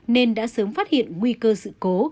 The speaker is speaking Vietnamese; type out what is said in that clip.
nên đã sớm phát hiện nguy cơ sự cố